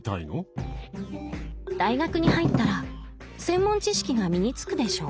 大学に入ったら専門知識が身につくでしょ。